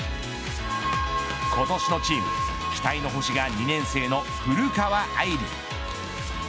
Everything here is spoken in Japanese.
今年のチーム期待の星が２年生の古川愛梨。